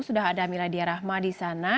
sudah ada miladia rahma di sana